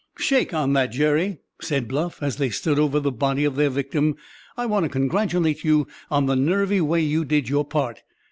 "Shake on that, Jerry," said Bluff, as they stood over the body of their victim; "I want to congratulate you on the nervy way you did your part.